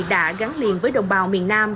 đã gắn liền với đồng bào miền nam